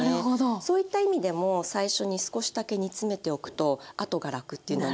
そういった意味でも最初に少しだけ煮つめておくと後が楽ってなる。